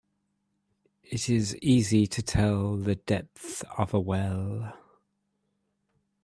It's easy to tell the depth of a well.